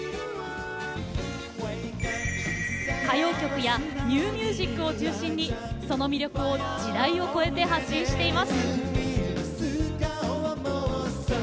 歌謡曲やニューミュージックを中心にその魅力を時代を超えて発信しています。